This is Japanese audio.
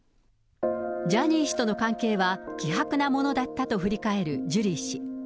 ジャニー氏との関係は希薄なものだったと振り返るジュリー氏。